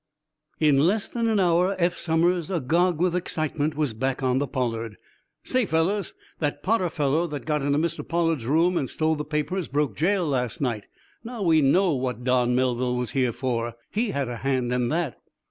In less than an hour Eph Somers, agog with excitement, was back on the "Pollard." "Say, fellows, that Potter fellow that got into Mr. Pollard's room and stole the papers broke jail last night. Now we know what Don Melville was here for! He had a hand in that!"